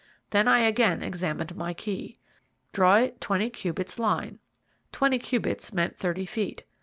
Then I again examined my key. "Draw it twenty cubits line." Twenty cubits meant thirty feet.